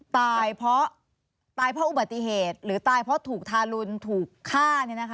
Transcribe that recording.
ตายเพราะตายเพราะอุบัติเหตุหรือตายเพราะถูกทารุณถูกฆ่า